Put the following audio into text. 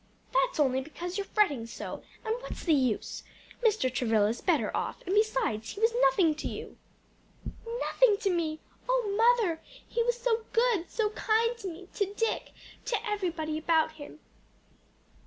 "That's only because you're fretting so; and what's the use? Mr. Travilla's better off; and besides he was nothing to you." "Nothing to me! O mother! he was so good, so kind to me, to Dick, to everybody about him.